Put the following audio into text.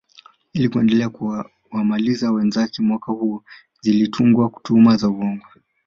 Ili kuendelea kuwamaliza wenzake mwaka huo zilitungwa tuhuma za uongo